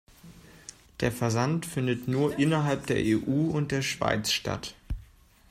Der Versand findet nur innerhalb der EU und der Schweiz statt.